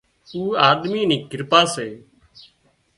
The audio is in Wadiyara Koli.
اُو آۮمي ني ڪرپا سي